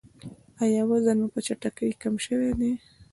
ایا وزن مو په چټکۍ کم شوی دی؟